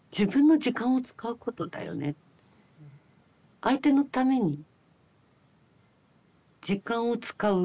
相手のために時間を使う。